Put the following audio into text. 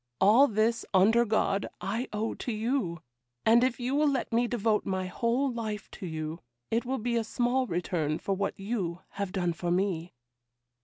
All this, under God, I owe to you; and if you will let me devote my whole life to you, it will be a small return for what you have done for me.